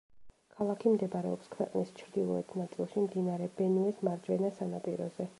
ქალაქი მდებარეობს ქვეყნის ჩრდილოეთ ნაწილში, მდინარე ბენუეს მარჯვენა სანაპიროზე.